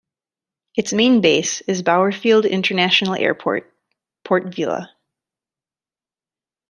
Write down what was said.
Its main base is Bauerfield International Airport, Port Vila.